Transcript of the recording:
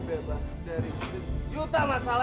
kaka akan buktikan semuanya li